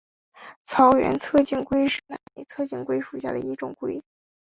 草原侧颈龟是南美侧颈龟属下的一种龟。